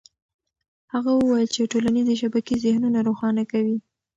هغه وویل چې ټولنيزې شبکې ذهنونه روښانه کوي.